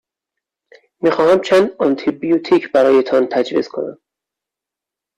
می خواهمم چند آنتی بیوتیک برایتان تجویز کنم.